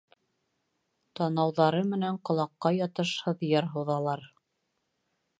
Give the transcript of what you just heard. Танауҙары менән ҡолаҡҡа ятышһыҙ йыр һуҙалар.